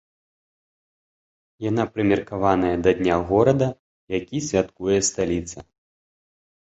Яна прымеркаваная да дня горада, які святкуе сталіца.